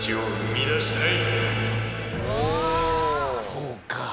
そうか。